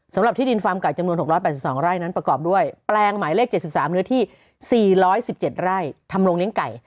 สำหรับที่ดินฟาร์มไก่จำนวน๖๘๒ไร่นั้นประกอบด้วยแปลงหมายเลข๗๓เนื้อที่๔๑๗ไร่ทำโรงเลี้ยงไก่